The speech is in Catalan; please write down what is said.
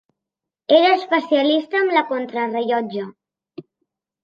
Era especialista en la contrarellotge.